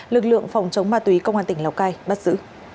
lực lượng phòng chống ma túy công an tỉnh lào cai bắt giữ